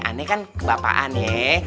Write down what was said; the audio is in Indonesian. aneh kan kebapaan ya